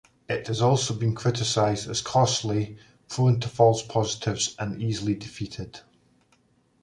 It has also been criticized as costly, prone to false positives, and easily defeated.